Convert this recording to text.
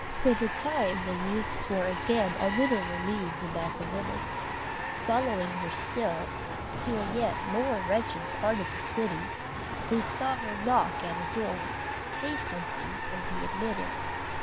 For the time the youths were again a little relieved about the woman: following her still, to a yet more wretched part of the city, they saw her knock at a door, pay something, and be admitted.